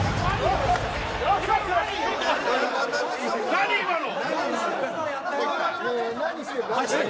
何、今の。